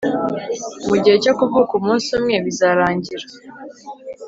Mugihe cyo kuvuka umunsi umwe bizarangira